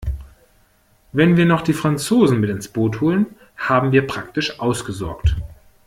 Wenn wir noch die Franzosen mit ins Boot holen, haben wir praktisch ausgesorgt.